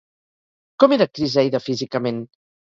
Com era Criseida físicament?